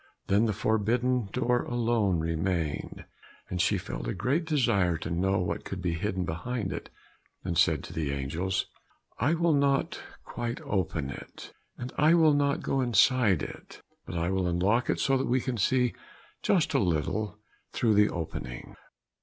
Then the forbidden door alone remained, and she felt a great desire to know what could be hidden behind it, and said to the angels, "I will not quite open it, and I will not go inside it, but I will unlock it so that we can just see a little through the opening."